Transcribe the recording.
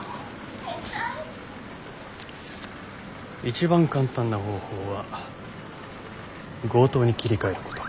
一番簡単な方法は強盗に切り替えること。